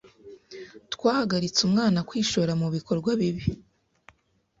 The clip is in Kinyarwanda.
Twahagaritse umwana kwishora mubikorwa bibi.